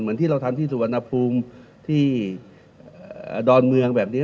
ที่เราทำที่สุวรรณภูมิที่ดอนเมืองแบบนี้